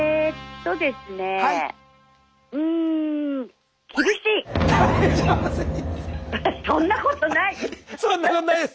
そんなことないです。